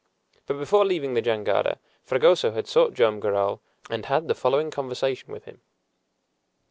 But before leaving the jangada Fragoso had sought Joam Garral, and had the following conversation with him.